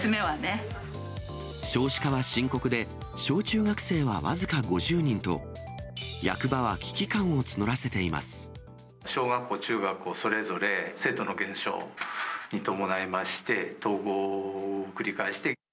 少子化は深刻で、小中学生は僅か５０人と、小学校、中学校、それぞれ生徒の減少に伴いまして、統合を繰り返して。